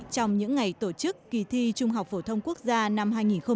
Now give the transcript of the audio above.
trong những ngày tổ chức kỳ thi trung học phổ thông quốc gia năm hai nghìn một mươi chín